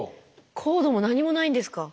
コードも何もないんですか？